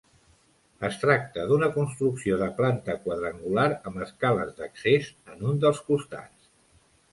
Es tracta d’una construcció de planta quadrangular amb escales d’accés en un dels costats.